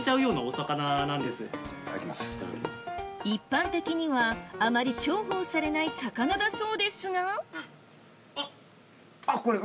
一般的にはあまり重宝されない魚だそうですがあっ！